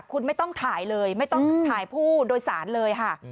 คุณไม่ต้องถ่ายเลยไม่ต้องถ่ายผู้โดยสารเลยค่ะ